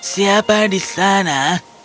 siapa di sana